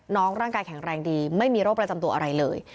ร่างกายแข็งแรงดีไม่มีโรคประจำตัวอะไรเลย